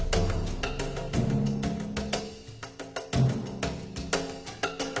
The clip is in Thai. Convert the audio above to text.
เก้าชีวิตหรือเราให้เจ้าของโน้น